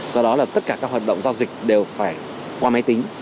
do đó là tất cả các hoạt động giao dịch đều phải qua máy tính